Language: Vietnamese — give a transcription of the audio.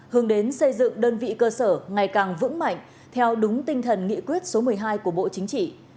hướng đến xây dựng đơn vị cơ sở ngày càng vững mạnh theo đúng tinh thần nghị quyết số một mươi hai của bộ chính trị